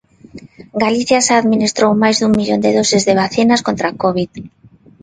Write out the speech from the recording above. Galicia xa administrou máis dun millón de doses de vacinas contra a covid.